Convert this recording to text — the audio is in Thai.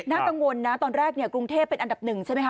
น่ากังวลนะตอนแรกกรุงเทพเป็นอันดับหนึ่งใช่ไหมค